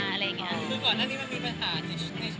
นั่งนี้มันมีปัญหาในการใช้ชีวิตกลุ่มหนึ่ง